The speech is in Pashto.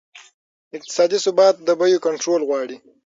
اقتصادي ثبات د بیو کنټرول غواړي.